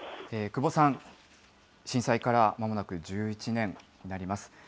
久保さん、震災からまもなく１１年になります。